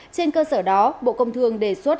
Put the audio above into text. trên cơ sở đó bộ công thương đề xuất